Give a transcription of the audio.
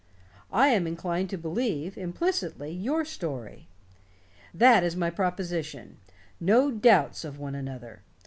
I am inclined to believe, implicitly, your story. That is my proposition. No doubts of one another.